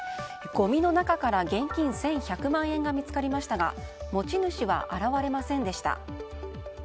ごみの中から現金１１００万円が見つかりましたが持ち主は現れませんでした。